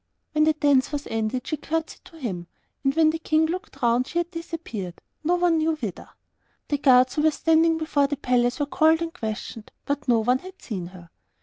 When the dance was ended, she curtseyed to him, and when the King looked round she had disappeared, no one knew whither. The guards who were standing before the palace were called and questioned, but no one had seen her.